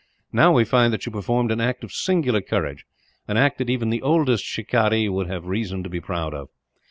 "Now we find that you performed an act of singular courage, an act that even the oldest shikaree would have reason to be proud of.